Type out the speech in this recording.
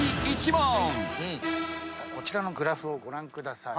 こちらのグラフをご覧ください。